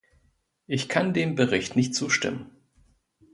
Ich kann dem Bericht nicht zustimmen.